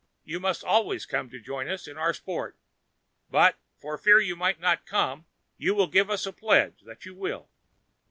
You must always come and join us in our sport; but, for fear you might not come, you must give us a pledge that you will."